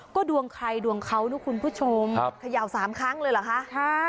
ก็ดวงใครดวงเขานะคุณผู้ชมเขย่าสามครั้งเลยเหรอคะ